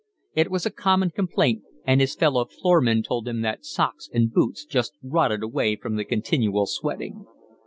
It was a common complaint, and his fellow 'floormen' told him that socks and boots just rotted away from the continual sweating.